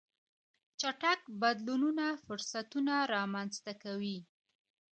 چټک بدلونونه فرصتونه رامنځته کوي.